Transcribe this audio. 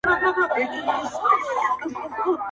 بدرګه را سره ستوري وړمهیاره.